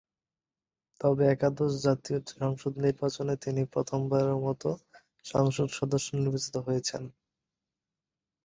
তবে একাদশ জাতীয় সংসদ নির্বাচনে তিনি প্রথম বারের মতো সংসদ সদস্য নির্বাচিত হয়েছেন।